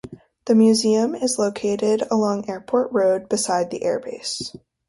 The museum is located along Airport Road beside the airbase.